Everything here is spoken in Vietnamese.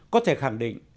có thể khẳng định